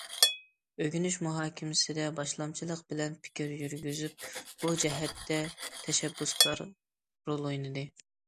ئۆگىنىش مۇھاكىمىسىدە باشلامچىلىق بىلەن پىكىر يۈرگۈزۈپ، بۇ جەھەتتە تەشەببۇسكار رول ئوينىدى.